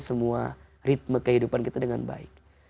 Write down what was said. semua ritme kehidupan kita dengan baik